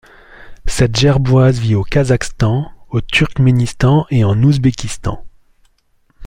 Cette gerboise vit au Kazakhstan, au Turkménistan et en Ouzbékistan.